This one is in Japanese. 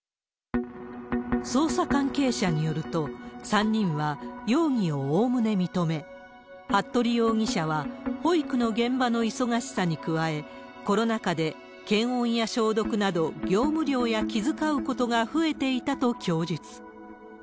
捜査関係者によると、３人は容疑をおおむね認め、服部容疑者は、保育の現場の忙しさに加え、コロナ禍で検温や消毒など、業務量や気遣うことが増えていたと供述。